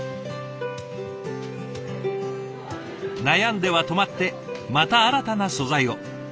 悩んでは止まってまた新たな素材を。